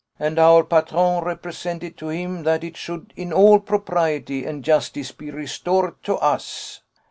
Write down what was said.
And our patron represented to him that it should in all propriety and justice be restored to us.